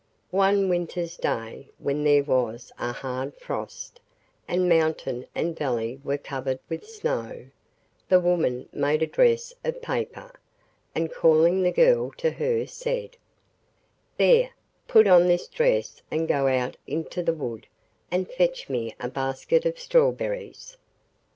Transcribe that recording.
One winter's day when there was a hard frost, and mountain and valley were covered with snow, the woman made a dress of paper, and calling the girl to her said: 'There, put on this dress and go out into the wood and fetch me a basket of strawberries!